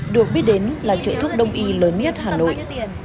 được biết đến là chợ thuốc đông y lớn nhất hà nội